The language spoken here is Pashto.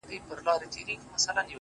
o ما ستا لپاره په خزان کي هم کرل گلونه؛